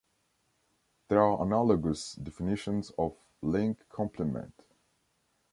There are analogous definitions of link complement.